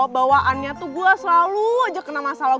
bawaannya tuh gue selalu aja kena masalah gue